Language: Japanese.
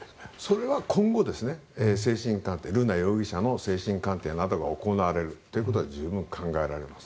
それは今後、精神鑑定瑠奈容疑者の精神鑑定などが行われるということは十分に考えられます。